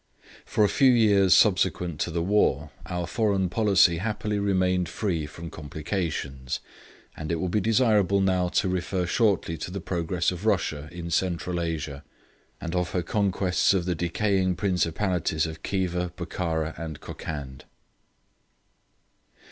For a few years subsequent to the war, our frontier policy happily remained free from complications, and it will be desirable now to refer shortly to the progress of Russia in Central Asia, and of her conquests of the decaying Principalities of Khiva, Bokhara and Kokand.